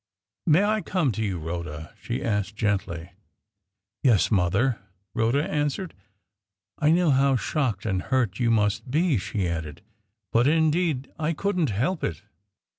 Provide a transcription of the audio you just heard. "May I come to you, Rhoda?" she asked, gently. "Yes, mother," Rhoda answered. "I know how shocked and hurt you must be," she added. "But, indeed, I couldn't help it."